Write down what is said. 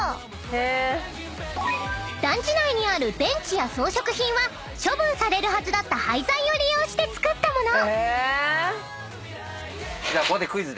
［団地内にあるベンチや装飾品は処分されるはずだった廃材を利用して作ったもの］